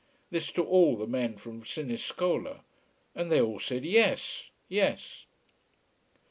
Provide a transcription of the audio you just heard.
_ this to all the men from Siniscola. And they all said Yes yes.